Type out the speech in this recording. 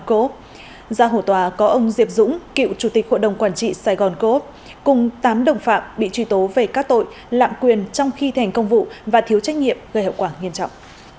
cô ốc gia hộ tòa có ông diệp dũng cựu chủ tịch hội đồng quản trị sài gòn cô ốc cùng tám đồng phạm bị truy tố về các tội lạm quyền trong khi thành công vụ và thiếu trách nhiệm gây hậu quả nghiêm trọng